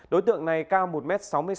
đối tượng này cao một m sáu mươi sáu